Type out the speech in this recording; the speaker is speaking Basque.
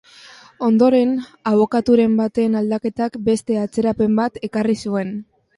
Ondoren, abokaturen baten aldaketak beste atzerapen bat ekarri zuen.